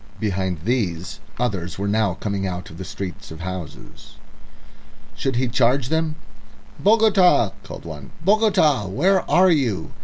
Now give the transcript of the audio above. Behind these others were now coming out of the street of houses. Should he charge them? "Bogota!" called one. "Bogota! where are you?"